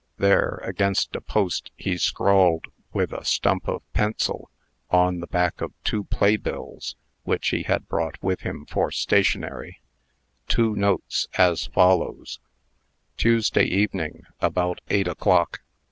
There, against a post, he scrawled with a stump of pencil, on the back of two playbills (which he had brought with him for stationery), two notes, as follows: Tuesday Evening, about 8 o'clock.